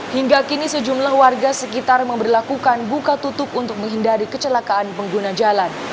hingga kini sejumlah warga sekitar memperlakukan buka tutup untuk menghindari kecelakaan pengguna jalan